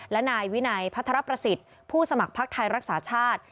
และนายวินัยพัทรประสิทธิ์ผู้สมัครพักไทยรักษาชาติ